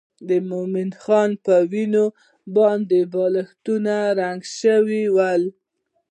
د مومن خان په وینو باندې بالښتونه رنګ شول.